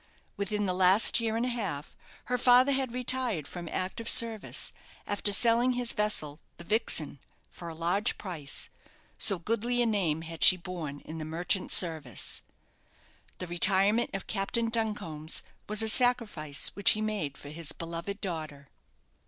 Within the last year and a half her father had retired from active service, after selling his vessel, the "Vixen," for a large price, so goodly a name had she borne in the merchant service. This retirement of Captain Duncombe's was a sacrifice which he made for his beloved daughter.